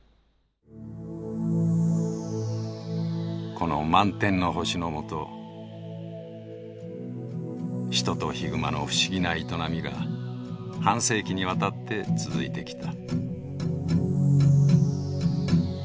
この満天の星のもと人とヒグマの不思議な営みが半世紀にわたって続いてきた。